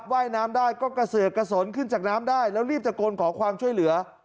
ว่ายน้ำได้ก็กระเสือกกระสนขึ้นจากน้ำได้แล้วรีบตะโกนขอความช่วยเหลือ